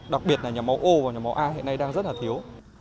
đặc biệt là nhà máu ô và nhà máu a hiện nay đang rất là thiếu